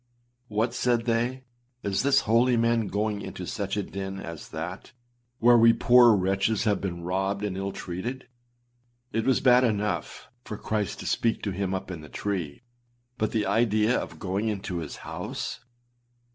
âWhat!â said they, âIs this holy man going into such a den as that, where we poor wretches have been robbed and ill treated. It was bad enough for Christ to speak to him up in the tree, but the idea of going into his house!